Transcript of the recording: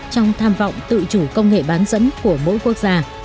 trong tham vọng tự chủ công nghệ bán dẫn của mỗi quốc gia